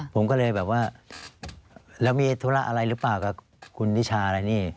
ผมก็เลยแบบว่าแล้วมีธุระอะไรหรือเปล่ากับคุณนิชาอะไรนี่